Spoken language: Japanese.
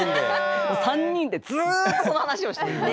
３人でずっとその話をしていて。